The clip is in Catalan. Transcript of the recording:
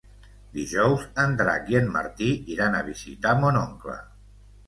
Dijous en Drac i en Martí iran a visitar mon oncle.